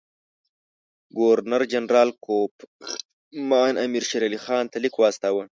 ګورنر جنرال کوفمان امیر شېرعلي خان ته لیک واستاوه.